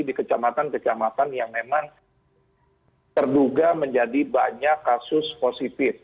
di kecamatan kecamatan yang memang terduga menjadi banyak kasus positif